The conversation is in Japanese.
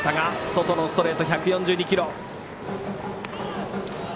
外のストレート、１４２キロ！